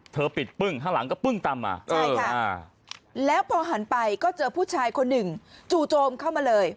ปิดปึ้งข้างหลังก็ปึ้งตามมาใช่ค่ะแล้วพอหันไปก็เจอผู้ชายคนหนึ่งจู่โจมเข้ามาเลย